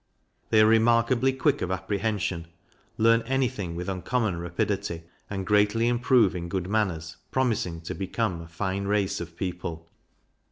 They are remarkably quick of apprehension; learn any thing with uncommon rapidity; and greatly improve in good manners, promising to become a fine race of people.